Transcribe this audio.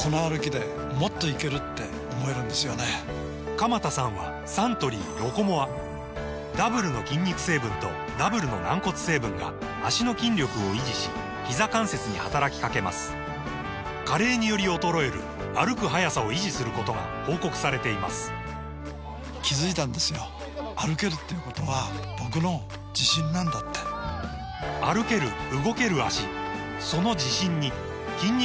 鎌田さんはサントリー「ロコモア」ダブルの筋肉成分とダブルの軟骨成分が脚の筋力を維持しひざ関節に働きかけます加齢により衰える歩く速さを維持することが報告されています歩ける動ける脚その自信に筋肉成分と軟骨成分